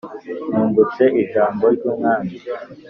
nungutse ijambo ry' umwami